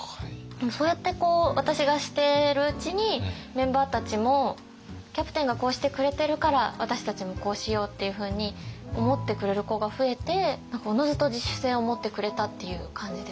でもそうやって私がしてるうちにメンバーたちもキャプテンがこうしてくれてるから私たちもこうしようっていうふうに思ってくれる子が増えて何かおのずと自主性を持ってくれたっていう感じです。